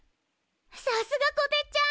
さすがこてっちゃん！